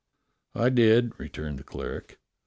"I did," returned the cleric.